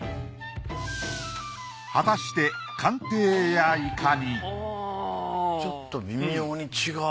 果たして鑑定やいかにちょっと微妙に違う。